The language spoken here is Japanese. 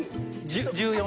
１４。